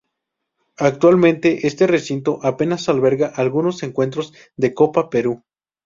Actualmente este recinto apenas alberga algunos encuentros de Copa Perú.